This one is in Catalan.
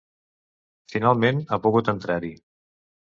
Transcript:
Finalment han pogut entrar-hi.